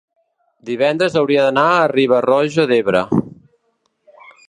divendres hauria d'anar a Riba-roja d'Ebre.